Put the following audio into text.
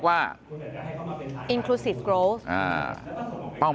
การสอบส่วนแล้วนะ